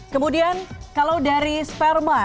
kemudian kalau dari sperma